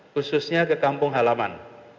khususnya ke kampung halaman